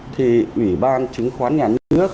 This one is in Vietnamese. thì ủy ban chứng khoán nhà nước